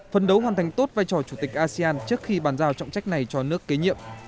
phân đấu hoàn thành tốt vai trò chủ tịch asean trước khi bàn giao trọng trách này cho nước kế nhiệm